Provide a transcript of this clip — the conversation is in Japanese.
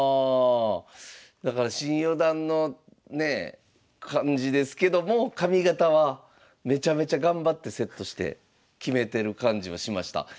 だから新四段のねえ感じですけども髪形はめちゃめちゃ頑張ってセットしてキメてる感じはしました。